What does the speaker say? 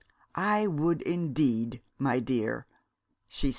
"I would, indeed, my dear," said she.